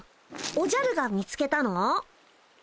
おじゃるが見つけたの？